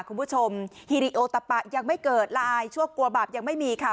คุณผู้ชมฮิริโอตะปะยังไม่เกิดละอายชั่วกลัวบาปยังไม่มีค่ะ